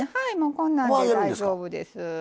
こんなんで大丈夫です。